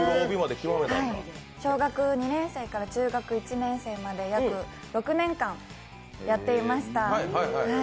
小学２年生から中学１年生まで約６年間やってました。